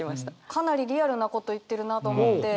かなりリアルなこと言ってるなと思って。